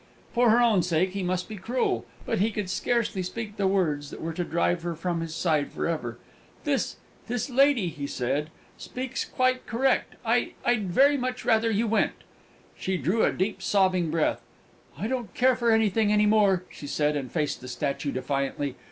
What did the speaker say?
For her own sake he must be cruel; but he could scarcely speak the words that were to drive her from his side for ever. "This this lady," he said, "speaks quite correct. I I'd very much rather you went!" She drew a deep sobbing breath. "I don't care for anything any more!" she said, and faced the statue defiantly.